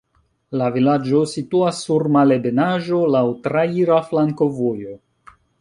La vilaĝo situas sur malebenaĵo, laŭ traira flankovojo.